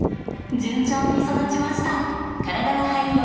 順調に育ちました。